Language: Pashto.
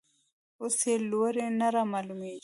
اوس یې لوری نه رامعلومېږي.